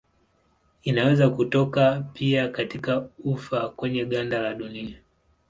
Inaweza kutoka pia katika ufa kwenye ganda la dunia.